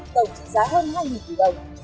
tổng trị giá hơn hai tỷ đồng